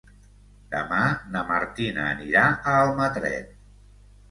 Demà na Martina anirà a Almatret.